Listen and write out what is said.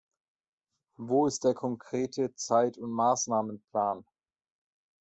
Wo ist der konkrete Zeitund Maßnahmenplan?